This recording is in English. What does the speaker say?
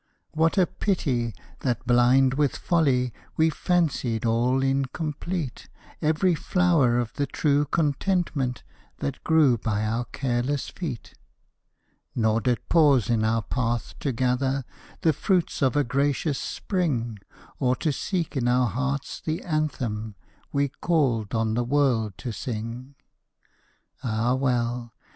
What a pity! that blind with folly, We fancied all incomplete Every flower of the true contentment, That grew by our careless feet; Nor did pause in our path, to gather The fruits of a gracious Spring; Or to seek in our hearts the anthem We called on the world to sing. Ah, well!